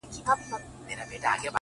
سر مي بلند دی،